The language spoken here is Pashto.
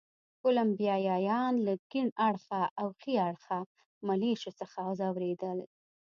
کولمبیایان له کیڼ اړخه او ښي اړخه ملېشو څخه ځورېدل.